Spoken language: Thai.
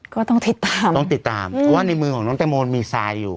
ก็ต้องติดตามต้องติดตามเพราะว่าในมือของน้องแตงโมมีทรายอยู่